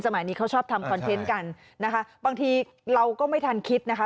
นี้เขาชอบทำคอนเทนต์กันนะคะบางทีเราก็ไม่ทันคิดนะคะ